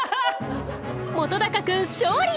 本君勝利！